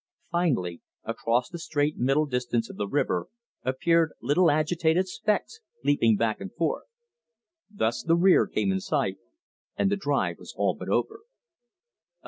Finally, across the straight middle distance of the river, appeared little agitated specks leaping back and forth. Thus the rear came in sight and the drive was all but over.